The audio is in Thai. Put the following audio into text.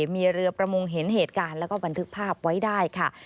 มีเรือประมงเห็นเหตุการณ์แล้วก็บันทึกภาพไว้ได้ค่ะ